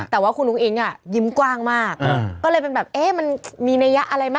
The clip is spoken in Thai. แต่ว่าคุณอุ้งอิ๊งอ่ะยิ้มกว้างมากก็เลยเป็นแบบเอ๊ะมันมีนัยยะอะไรไหม